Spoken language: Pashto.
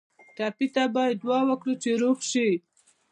ټپي ته باید دعا کوو چې روغ شي.